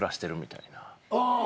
ああ。